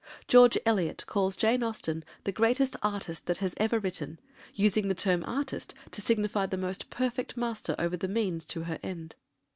George Eliot calls Jane Austen the greatest artist that has ever written, "using the term 'artist' to signify the most perfect master over the means to her end."